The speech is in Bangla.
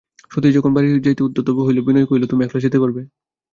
সতীশ যখন বাড়ি যাইতে উদ্যত হইল বিনয় কহিল, তুমি একলা যেতে পারবে?